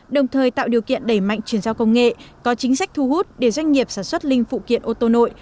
đồng thời tạo điều kiện đẩy mạnh chuyển giao công nghệ có chính sách thu hút để doanh nghiệp sản xuất linh phụ kiện ô tô nội